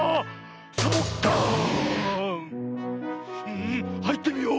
うんはいってみよう！